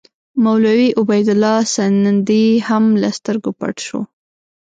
مولوي عبیدالله سندي هم له سترګو پټ شو.